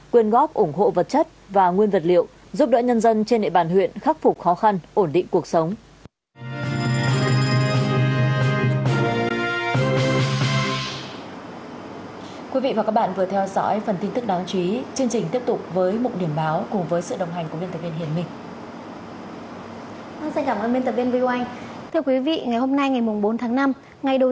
quyên góp ủng hộ vật chất và nguyên vật liệu giúp đỡ nhân dân trên địa bàn huyện khắc phục khó khăn ổn định cuộc sống